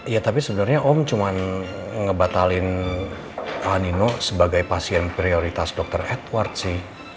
iya tapi sebenernya om cuma ngebatalin nino sebagai pasien prioritas dokter edward sih